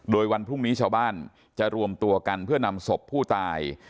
โดยวันพรุ่งนี้ชาวบ้านจะรวมตัวกันเพื่อนำศพผู้ตาย